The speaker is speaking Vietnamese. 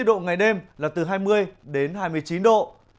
với nhiệt độ ngày đêm là từ hai mươi đến hai mươi chín độ